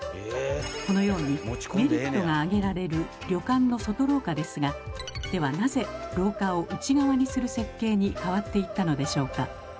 このようにメリットが挙げられる旅館の外廊下ですがではなぜ廊下を内側にする設計に変わっていったのでしょうか？